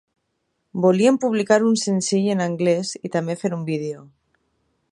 Volien publicar un senzill en anglès i també fer un vídeo.